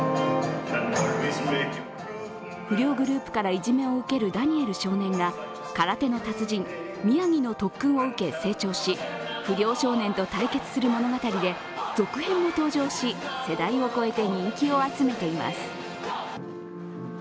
不良グループからいじめを受けるダニエル少年が空手の達人・ミヤギの特訓を受け、成長し不良少年と対決する物語で続編も登場し世代を超えて人気を集めています。